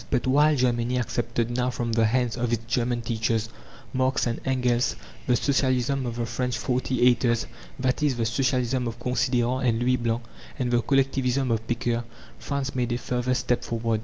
But while Germany accepted now from the hands of its German teachers, Marx and Engels, the Socialism of the French "forty eighters" that is, the Socialism of Considérant and Louis Blanc, and the Collectivism of Pecqueur, France made a further step forward.